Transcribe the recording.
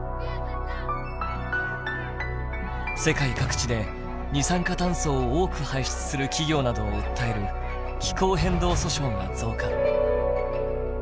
世界各地で二酸化炭素を多く排出する企業などを訴える「気候変動訴訟」が増加。